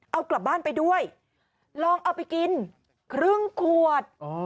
เอากลับบ้านไปด้วยลองเอาไปกินครึ่งขวด